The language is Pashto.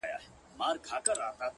چي د صبر شراب وڅيښې ويده سه